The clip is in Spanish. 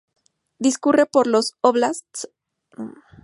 Discurre por los "óblasts" de Uliánovsk y Sarátov.